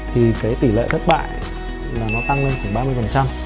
thì cái tỷ lệ thất bại là nó tăng lên khoảng ba mươi